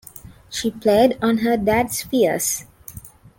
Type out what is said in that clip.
She played on her dad's fears.